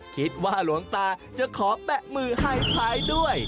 คิดว่าหลวงตาจะขอแปะมือให้ท้ายด้วย